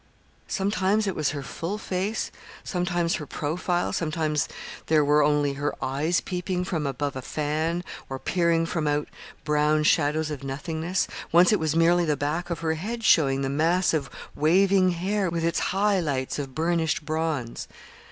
Sometimes it was her full face, sometimes her profile; sometimes there were only her eyes peeping from above a fan, or peering from out brown shadows of nothingness. Once it was merely the back of her head showing the mass of waving hair with its high lights of burnished bronze.